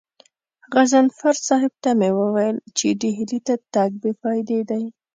غضنفر صاحب ته مې وويل چې ډهلي ته تګ بې فايدې دی.